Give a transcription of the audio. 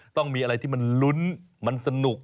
ต้องมีอะไรที่มันลุ้นมันสนุก